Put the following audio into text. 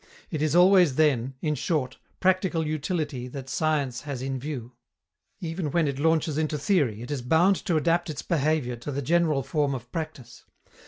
It is always then, in short, practical utility that science has in view. Even when it launches into theory, it is bound to adapt its behavior to the general form of practice.